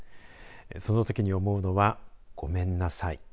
そのときに思うのはごめんなさい。